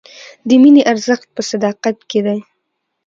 د مینې ارزښت په صداقت کې دی.